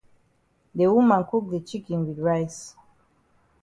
De woman cook de chicken wit rice.